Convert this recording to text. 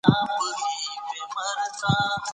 افغانستان کې د د ریګ دښتې په اړه زده کړه کېږي.